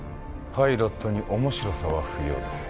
パイロットに面白さは不要です。